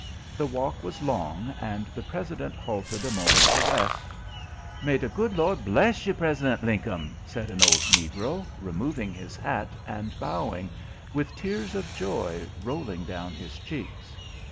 The walk was long, and the President halted a moment to rest. "May de good Lord bless you, President Linkum!" said an old negro, removing his hat and bowing, with tears of joy rolling down his cheeks.